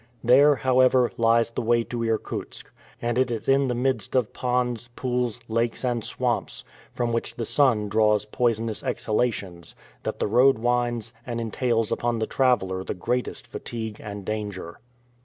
There, however, lies the way to Irkutsk, and it is in the midst of ponds, pools, lakes, and swamps, from which the sun draws poisonous exhalations, that the road winds, and entails upon the traveler the greatest fatigue and danger.